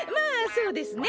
そうですね。